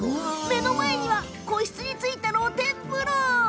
目の前には個室についた露天風呂！